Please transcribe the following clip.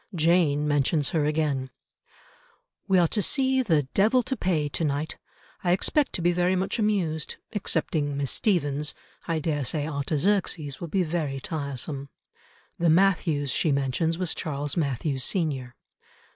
Jane mentions her again— "We are to see the Devil to Pay to night. I expect to be very much amused. Excepting Miss Stephens, I daresay Artaxerxes will be very tiresome." The Mathews she mentions was Charles Mathews senior.